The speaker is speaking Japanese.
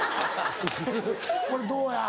これどうや？